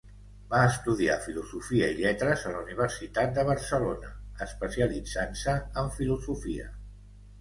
Va estudiar Filosofia i Lletres a la Universitat de Barcelona, especialitzant-se en filosofia.